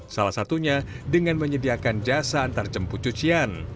salah satunya dengan menyediakan jasa antar jemput cucian